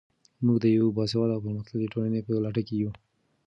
موږ د یوې باسواده او پرمختللې ټولنې په لټه کې یو.